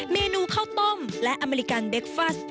เมนูข้าวต้มและอเมริกันเบคฟัส